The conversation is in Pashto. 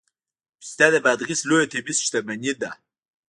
پسته د بادغیس لویه طبیعي شتمني ده